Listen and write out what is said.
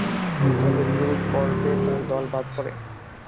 তবে গ্রুপ পর্বে তার দল বাদ পড়ে।